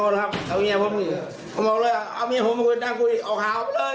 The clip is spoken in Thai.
เอาเมียผมมาคุยด้านคุยออกข่าวไปเลยเอาเมียผมมาคุยด้านคุยออกข่าวไปเลย